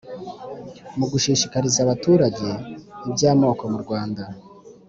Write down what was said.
mu gushishikariza abaturage iby amoko mu Rwanda